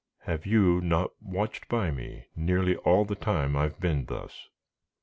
"Have you not watched by me nearly all the time I have been thus?"